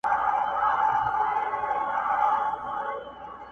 حقيقت څوک نه منل غواړي تل